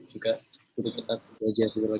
yang pernah dibawah ini sama bukhari